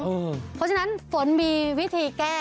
เพราะฉะนั้นฝนมีวิธีแก้